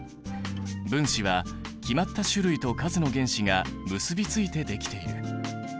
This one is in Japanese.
分子は決まった種類と数の原子が結びついてできている。